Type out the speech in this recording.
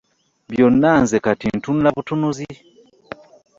Byonna nze kati ntunula butunuzi.